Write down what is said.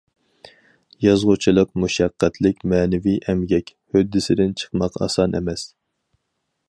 يازغۇچىلىق مۇشەققەتلىك مەنىۋى ئەمگەك، ھۆددىسىدىن چىقماق ئاسان ئەمەس.